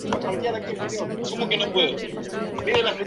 Es una torre cilíndrica de sillería de arenisca, de color amarillo.